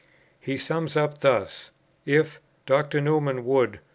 He sums up thus: "If [Dr. Newman] would